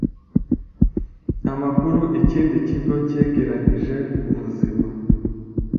amakuru ikindi kigo cyegeranyije kubuzima